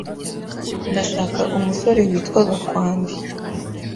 Ndashaka umusore witwa Gakwandi.